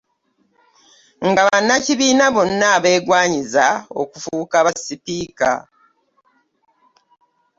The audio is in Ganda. Nga bannakibiina bonna abeegwanyiza okufuuka basipiika